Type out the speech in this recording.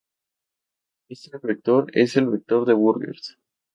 Este vector es el vector de Burgers.